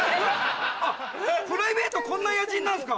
プライベートこんな野人なんですか？